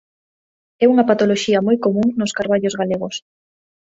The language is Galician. É unha patoloxía moi común nos carballos galegos.